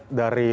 masang dulu lah